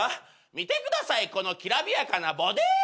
「見てくださいこのきらびやかなボディー！」